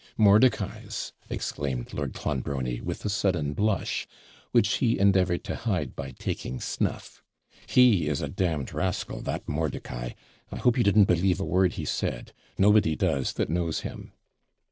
'Mordicai's!' exclaimed Lord Clonbrony, with a sudden blush, which he endeavoured to hide by taking snuff. 'He is a damned rascal, that Mordicai! I hope you didn't believe a word he said nobody does that knows him.'